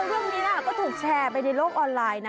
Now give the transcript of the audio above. เรื่องนี้ก็ถูกแชร์ไปในโลกออนไลน์นะ